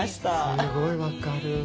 すごいわかる。